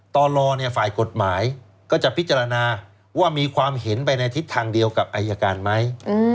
ต่อรอฝ่ายกฎหมายก็จะพิจารณาว่ามีความเห็นไปในทิศทางเดียวกับอายการไหม